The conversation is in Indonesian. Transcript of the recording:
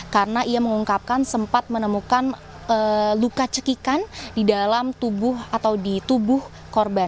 karena ia mengungkapkan sempat menemukan luka cekikan di dalam tubuh atau di tubuh korban